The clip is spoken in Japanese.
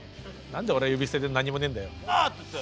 何で俺は呼び捨てで何もねえんだよ！